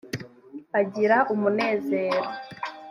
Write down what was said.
agira umunezero